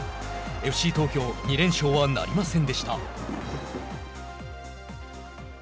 ＦＣ東京２連勝はなりませんでした。